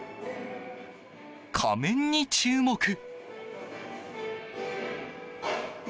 仮面に注目。